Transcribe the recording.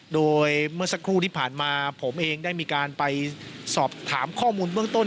โดยเมื่อสักครู่ที่ผ่านมาผมเองได้มีการไปสอบถามข้อมูลเบื้องต้น